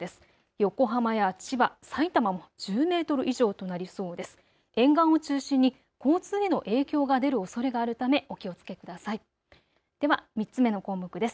横浜や千葉、さいたまも１０メートル以上となりそうです。